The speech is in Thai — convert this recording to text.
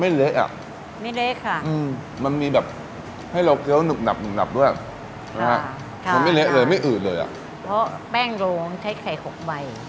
ไม่เล็กอะไม่เล็กค่ะอืมมันมีแบบให้เราเกี้ยวหนุ่มหนับหนุ่มหนับด้วยค่ะมันไม่เล็กเลยไม่อืดเลยอ่ะเพราะแป้งโรงใช้ไข่หกใบ